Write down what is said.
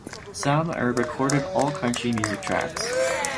Sahm recorded all country music tracks.